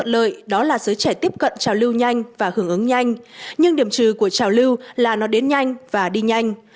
lợi đó là giới trẻ tiếp cận trào lưu nhanh và hưởng ứng nhanh nhưng điểm trừ của trào lưu là nó đến nhanh và đi nhanh